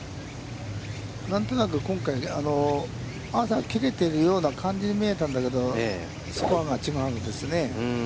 何となく、今回、朝切れているような感じに見えたんだけど、スコアが違うんですね。